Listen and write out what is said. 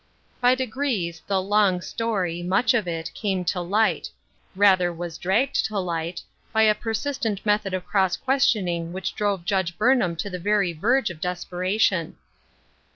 By degrees the " long story," much of it, came to light — rather was dragged to light — by a persistent method of cross questioning wliich drove Judge Burnham to the very verge of desperation.